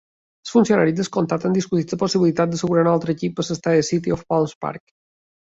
Els funcionaris del comtat han discutit la possibilitat d'assegurar un altre equip per a l'estadi City of Palms Park.